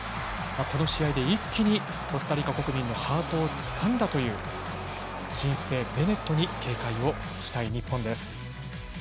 この試合で一気にコスタリカ国民のハートをつかんだという新星ベネットに警戒をしたい日本です。